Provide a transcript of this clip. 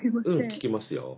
聞きますよ。